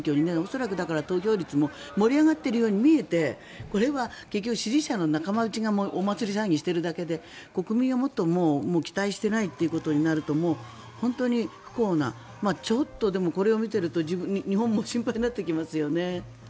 恐らく、だから投票率も盛り上がっているように見えてこれは結局、支持者の仲間内がお祭り騒ぎをしているだけで国民はもっと期待していないということになるともう本当に不幸なちょっと、でもこれを見ていると日本も心配になってきますよね。